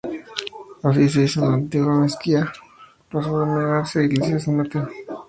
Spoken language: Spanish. Así se hizo y la antigua mezquita, pasó a denominarse iglesia de San Mateo.